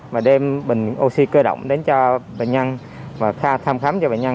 mà đem bình oxy cơ động đến cho bệnh nhân và thăm khám cho bệnh nhân